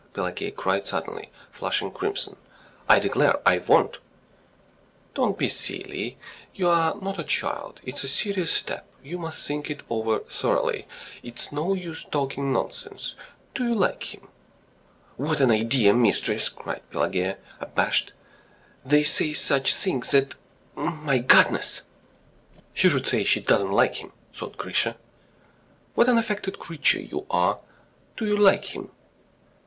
Pelageya cried suddenly, flushing crimson. "I declare I won't!" "Don't be silly; you are not a child. It's a serious step; you must think it over thoroughly, it's no use talking nonsense. Do you like him?" "What an idea, mistress!" cried Pelageya, abashed. "They say such things that ... my goodness. ..." "She should say she doesn't like him!" thought Grisha. "What an affected creature you are. ... Do you like him?"